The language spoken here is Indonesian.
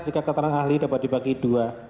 jika keterangan ahli dapat dibagi dua